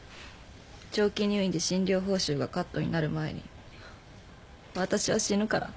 長期入院で診療報酬がカットになる前に私は死ぬから。